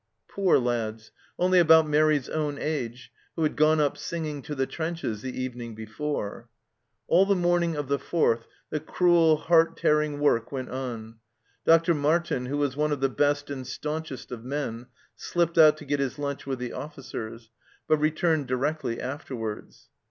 Poor lads, only about Mairi's own age, who had gone up singing to the trenches the evening before ! All the morning of the 4th the cruel, heart tearing work went on. Dr. Martin, who was one of the best and staunchest of men, slipped out to get his lunch with the officers, but returned directly afterwards.